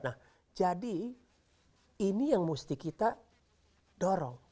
nah jadi ini yang mesti kita dorong